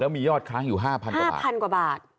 แล้วมียอดคล้างอยู่๕๐๐๐กว่าบาท